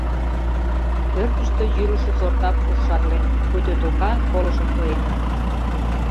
Пӧртыштӧ йӱлышӧ сорта пуш шарлен, пуйто тока колышым тоеныт.